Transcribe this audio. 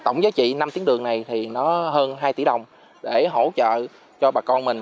tổng giá trị năm tiếng đường này hơn hai tỷ đồng để hỗ trợ cho bà con mình